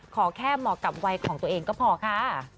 ขอแค่เหมาะกับวัยของตัวเองก็พอค่ะ